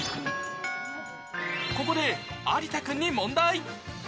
ここで、有田君に問題。